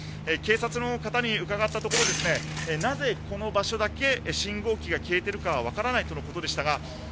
警察の方に伺ったところなぜこの場所だけ信号機が消えているかは分からないということでした。